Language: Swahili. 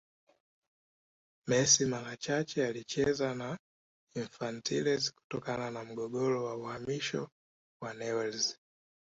Messi mara chache alicheza na Infantiles kutokana na mgogoro wa uhamisho wa Newells